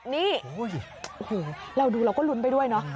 นี่โอ้โหเราดูเราก็ลุ้นไปด้วยเนาะ